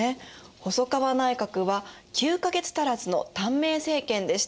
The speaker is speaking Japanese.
細川内閣は９か月足らずの短命政権でした。